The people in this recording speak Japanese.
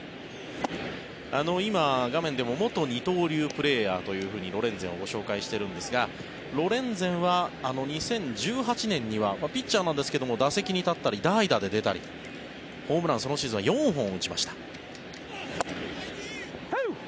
今、画面でも元二刀流プレーヤーというふうにロレンゼンをご紹介しているんですがロレンゼンは２０１８年にはピッチャーなんですが打席に立ったり、代打で出たりホームラン、そのシーズンは４本打ちました。